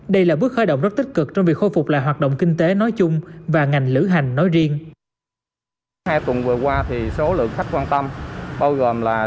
đây là bước khởi động rất tích cực trong việc khôi phục lại hoạt động kinh tế nói chung và ngành lữ hành nói riêng